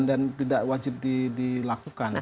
dan tidak wajib dilakukan